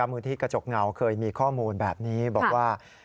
มูลที่กระจกเงาเคยมีข้อมูลแบบนี้บอกว่า